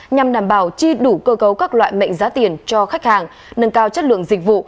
nhằm đảm bảo chi đủ cơ cấu các loại mệnh giá tiền cho khách hàng nâng cao chất lượng dịch vụ